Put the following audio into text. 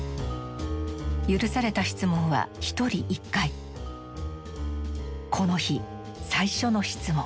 許された質問はこの日最初の質問。